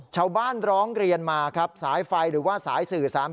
ชาวบ้านร้องเรียนมาครับสายไฟหรือว่าสายสื่อสาร